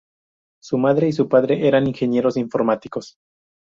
Su madre y su padre eran ingenieros informáticos.